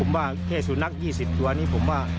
ผมว่าแค่สุนัข๒๐ตัวนี้ผมว่า